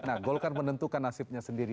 nah golkar menentukan nasibnya sendiri